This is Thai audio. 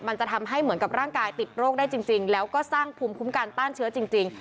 มันจะทำให้เหมือนกับร่างกายติดโรคได้จริงแล้วก็สร้างภูมิคุ้มกันต้านเชื้อจริง